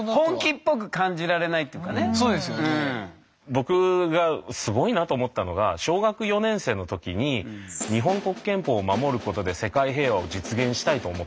僕がすごいなと思ったのが小学４年生の時に「日本国憲法を守ることで世界平和を実現したい」と思ったって。